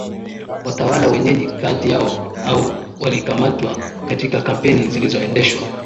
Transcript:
watawala wenyeji kati yao au walikamatwa katika kampeni zilizoendeshwa